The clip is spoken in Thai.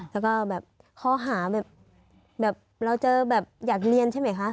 แล้วก็แบบข้อหาแบบเราจะแบบอยากเรียนใช่ไหมคะ